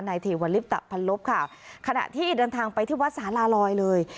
ไนธีไวน์ลิปตปันลบค่ะขณะที่เดินทางไปที่วัฒน์รารอยเลย